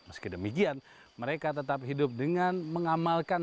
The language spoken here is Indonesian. meski demikian mereka tetap hidup dengan mengamalkan